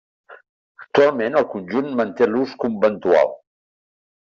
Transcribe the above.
Actualment, el conjunt manté l'ús conventual.